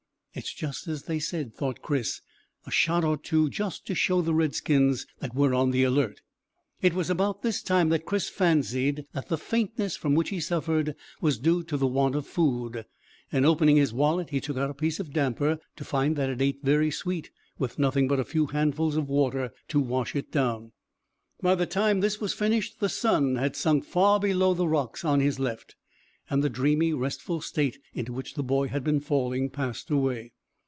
"It's just as they said," thought Chris "a shot or two, just to show the redskins that we're on the alert." It was about this time that Chris fancied that the faintness from which he suffered was due to the want of food, and opening his wallet he took out a piece of damper, to find that it ate very sweet with nothing but a few handfuls of water to wash it down. By the time this was finished the sun had sunk far below the rocks on his left, and the dreamy, restful state into which the boy had been falling passed away.